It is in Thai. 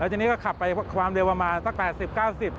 ทีนี้ก็ขับไปความเร็วประมาณสัก๘๐๙๐